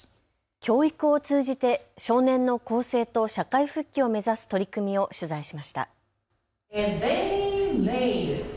教育を通じて少年の更生と社会復帰を目指す取り組みを取材しました。